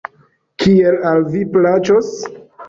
Kiel al vi plaĉos.